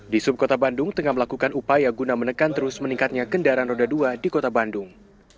di subkota bandung tengah melakukan upaya guna menekan terus meningkatnya kendaraan roda dua di kota bandung